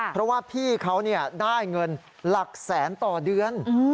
เพราะว่าพี่เขาได้เงินหลักแสนต่อเดือน